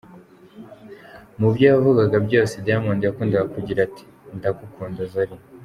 Mu byo yavugaga byose, Diamond yakundaga kugira ati ‘Ndagukunda Zari’.